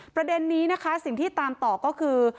ประเด็นนี้นะคะสิ่งที่ตามต่อก็คือ